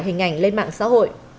hình ảnh lên mạng xã hội